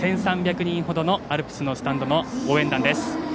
１３００人ほどのアルプスのスタンドの応援団です。